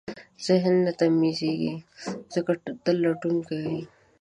ذهن نه تمېږي، ځکه تل لټون کوي.